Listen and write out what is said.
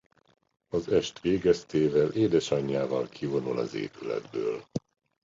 Az est végeztével édesanyjával kivonul az épületből.